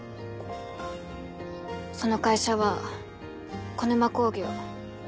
その会社は小沼工業。